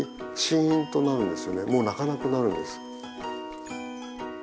もう鳴かなくなるんです。